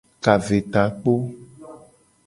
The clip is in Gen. Kavetakpo.